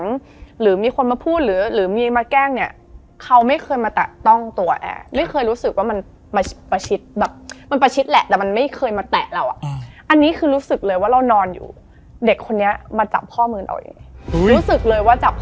นี่คือนิสัยการพูดเล่นของเขาป่ะ